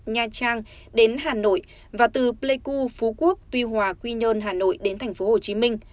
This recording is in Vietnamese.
nha trang đến hà nội và từ pleiku phú quốc tuy hòa quy nhơn hà nội đến tp hcm